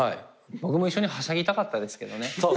僕も一緒にはしゃぎたかったですけどね。